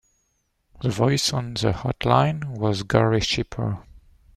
The voice on the hotline was Gary Schipper.